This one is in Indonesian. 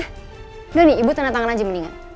sudah nih ibu tanda tangan aja mendingan